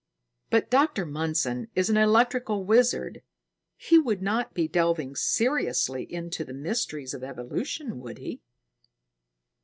"But Dr. Mundson is an electrical wizard. He would not be delving seriously into the mysteries of evolution, would he?"